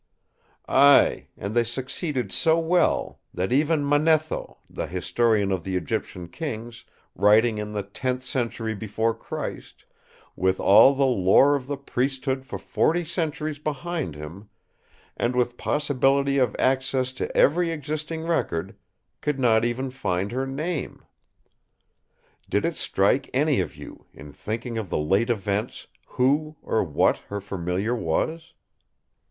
Ay, and they succeeded so well that even Manetho, the historian of the Egyptian Kings, writing in the tenth century before Christ, with all the lore of the priesthood for forty centuries behind him, and with possibility of access to every existing record, could not even find her name. Did it strike any of you, in thinking of the late events, who or what her Familiar was?"